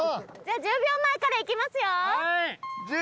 １０秒前からいきますよ。